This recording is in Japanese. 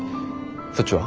そっちは？